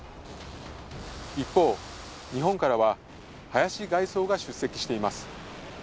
一方、日本からは林外相が出席しています。